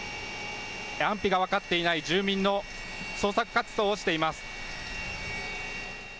安否が分かっていない住民の捜索活動をしています。